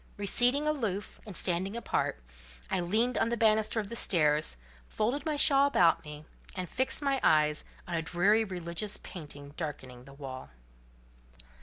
Receding aloof, and standing apart, I leaned on the banister of the stairs, folded my shawl about me, and fixed my eyes on a dreary religious painting darkening the wall.